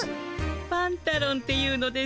パンタロンっていうのですわ。